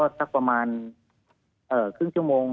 สักประมาณครึ่งชั่วโมง